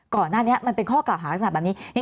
ก่อนหน้านี้มันเป็นข้อกล่าวหาลักษณะแบบนี้